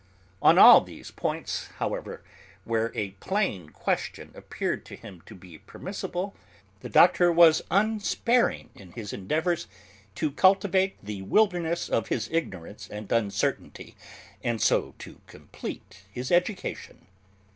On all those points, however, where a plain question appeared to him to be permissible, the Doctor was unsparing in his endeavours to cultivate the wilderness of his ignorance and uncertainty and so to complete his education.